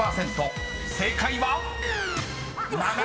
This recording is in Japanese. ［正解は⁉］